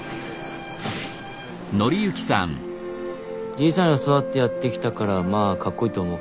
じいちゃんそうやってやってきたからまあかっこいいと思う。